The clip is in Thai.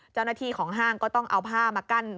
เจ้าหน้าที่ของห้างก็ต้องเอาผ้ามากั้น